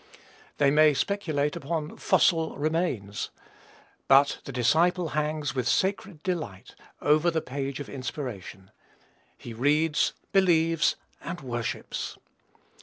They may speculate upon fossil remains; but the disciple hangs, with sacred delight, over the page of inspiration. He reads, believes, and worships.